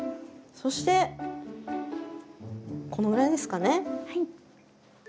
そしてこのぐらいですかね。